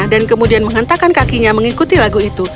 dan kemudian menghentakkan kakinya mengikuti lagu itu